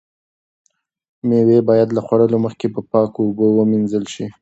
مېوې باید له خوړلو مخکې په پاکو اوبو ومینځل شي.